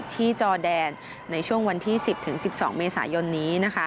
จอแดนในช่วงวันที่๑๐๑๒เมษายนนี้